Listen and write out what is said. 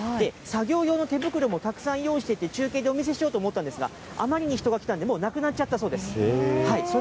作業用の手袋もたくさん用意してて、中継でお見せしようと思ったんですが、あまりに人が来たんで、もうなくなっちゃったそうです。